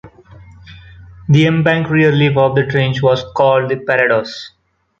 The embanked rear lip of the trench was called the parados.